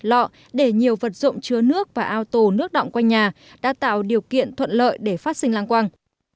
lọ để nhiều vật dụng chứa nước và ao tù nước động quanh nhà đã tạo điều kiện thuận lợi để phát sinh lang quang